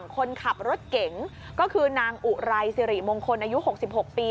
คนขับรถเก๋งก็คือนางอุไรสิริมงคลอายุ๖๖ปี